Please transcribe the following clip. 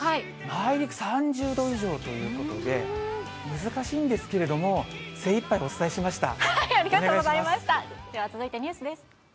内陸３０度以上ということで、難しいんですけれども、精いっぱいお伝えしました。